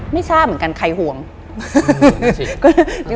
ไม่ทราบเหมือนกันใครห่วง